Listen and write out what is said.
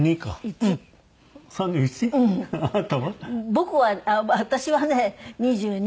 僕は私はね２２。